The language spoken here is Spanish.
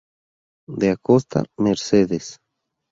De Acosta, Mercedes.